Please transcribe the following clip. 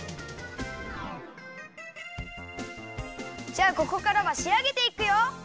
じゃあここからはしあげていくよ！